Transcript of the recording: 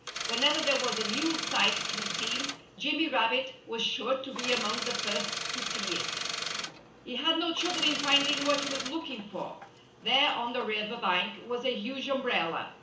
Whenever there was a new sight to be seen, Jimmy Rabbit was sure to be among the first to see it. He had no trouble in finding what he was looking for. There on the river bank was a huge umbrella.